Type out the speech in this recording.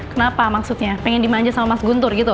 kenapa maksudnya pengen dimanja sama mas guntur gitu